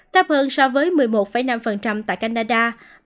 thấp hơn so với một mươi một năm tại canada